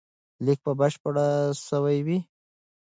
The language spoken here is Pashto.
لیک به بشپړ سوی وي.